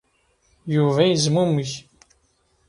Yuba yezmumeg.